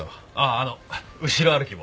あの後ろ歩きも。